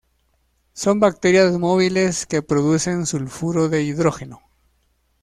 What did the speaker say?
Son bacterias móviles que producen sulfuro de hidrógeno.